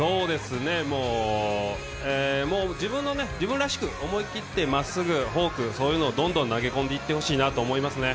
もう自分らしく思い切ってまっすぐ、フォークをどんどん投げ込んでいってほしいなと思いますね。